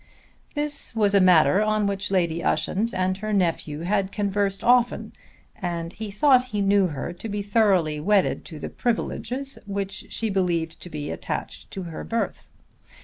This was a matter on which Lady Ushant and her nephew had conversed often, and he thought he knew her to be thoroughly wedded to the privileges which she believed to be attached to her birth.